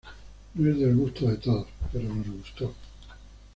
No es del gusto de todos, pero nos gustó.